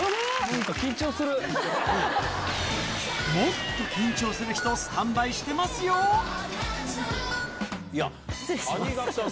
もっと緊張する人スタンバイしてますよ谷垣さん